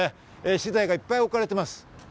資材がいっぱい置かれています。